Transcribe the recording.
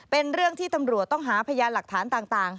เป็นเรื่องที่ตำรวจต้องหาพยานหลักฐานต่าง